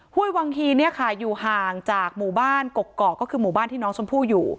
้วยวังฮีเนี่ยค่ะอยู่ห่างจากหมู่บ้านกกอกก็คือหมู่บ้านที่น้องชมพู่อยู่